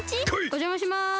おじゃまします。